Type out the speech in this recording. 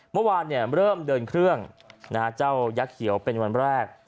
เมื่อวานเริ่มเดินเครื่องเจ้ายักษ์เขียวเป็นวันแรก